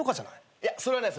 いやそれはない